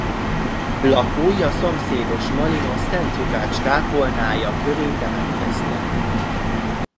Lakói a szomszédos Malino Szent Lukács kápolnája köré temetkeztek.